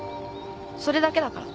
それだけだから。